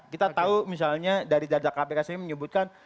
kita tahu misalnya dari data kpk sendiri menyebutkan